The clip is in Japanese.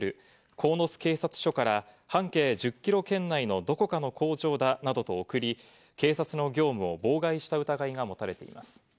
鴻巣警察署から半径１０キロ圏内のどこかの工場だなどと送り、警察の業務を妨害した疑いが持たれています。